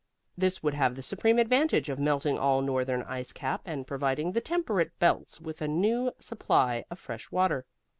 This would have the supreme advantage of melting all the northern ice cap and providing the temperate belts with a new supply of fresh water.